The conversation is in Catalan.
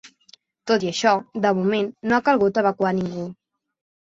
Tot i això, de moment no ha calgut evacuar ningú.